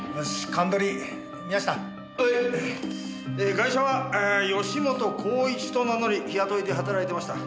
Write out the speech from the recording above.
ガイシャは吉本孝一と名乗り日雇いで働いてました。